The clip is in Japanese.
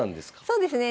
そうですね。